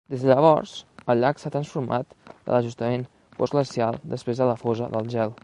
Des de llavors, el llac s'ha transformat de l'ajustament postglacial després de la fosa del gel.